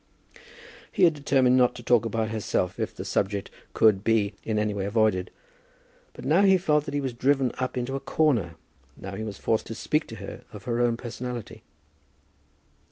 He had determined not to talk about herself if the subject could be in any way avoided; but now he felt that he was driven up into a corner; now he was forced to speak to her of her own personality.